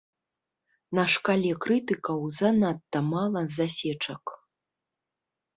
На шкале крытыкаў занадта мала засечак.